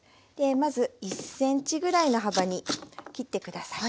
まず１ｃｍぐらいの幅に切って下さい。